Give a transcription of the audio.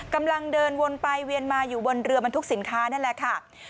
กำลังเดินวนไปเวียนมาอยู่บนเรือบรรทุกสินค้านั่นแหละค่ะ